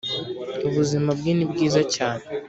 ubuzima bwe ni bwiza cyane